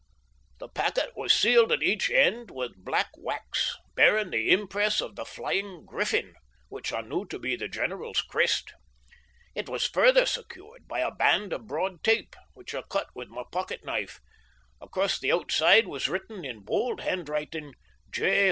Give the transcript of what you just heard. The packet was sealed at each end with black wax, bearing the impress of the flying griffin, which I knew to be the general's crest. It was further secured by a band of broad tape, which I cut with my pocket knife. Across the outside was written in bold handwriting: "J.